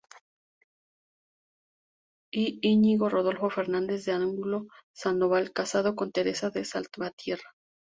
I. Iñigo Rodolfo Fernández de Angulo Sandoval, casado con Teresa de Salvatierra.